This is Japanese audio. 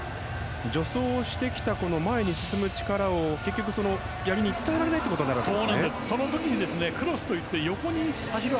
助走してきた前に進む力を結局、やりに伝えられないということになるわけですね。